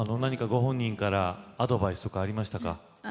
ご本人からアドバイスとかありましたか？